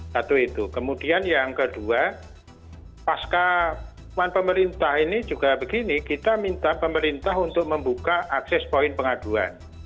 satu itu kemudian yang kedua pasca pemerintah ini juga begini kita minta pemerintah untuk membuka akses poin pengaduan